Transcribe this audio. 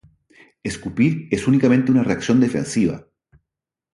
Escupir es únicamente una reacción defensiva.